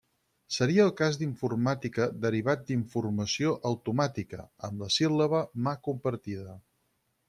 Seria el cas d'informàtica derivat d'informació automàtica, amb la síl·laba mà compartida.